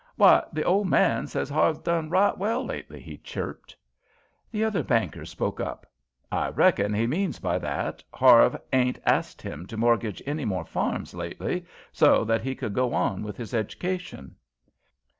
"Why, the ole man says Harve's done right well lately," he chirped. The other banker spoke up. "I reckon he means by that Harve ain't asked him to mortgage any more farms lately, so as he could go on with his education."